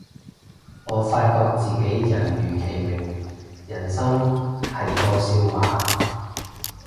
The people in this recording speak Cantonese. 我發覺自己人如其名，人生係個笑話